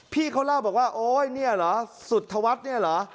พี่เขาเล่าบอกว่าโอ๊ยเนี่ยเหรอสุธวัฒน์เนี่ยเหรอ